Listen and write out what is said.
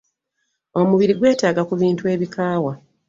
omubiri gwetaaga ku bintu ebikaawa.